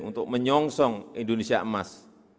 untuk menyongsong indonesia emas dua ribu empat puluh lima